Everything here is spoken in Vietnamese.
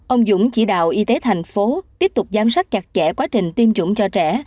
ông dũng chỉ đạo y tế thành phố tiếp tục giám sát chặt chẽ quá trình tiêm chủng cho trẻ